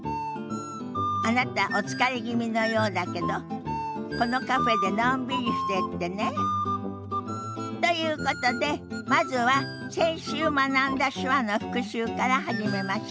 あなたお疲れ気味のようだけどこのカフェでのんびりしてってね。ということでまずは先週学んだ手話の復習から始めましょ。